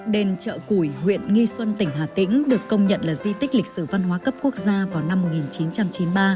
đền chợ củi huyện nghi xuân tỉnh hà tĩnh được công nhận là di tích lịch sử văn hóa cấp quốc gia vào năm một nghìn chín trăm chín mươi ba